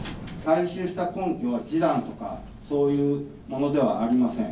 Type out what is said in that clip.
回収した根拠は、示談とかそういうものではありません。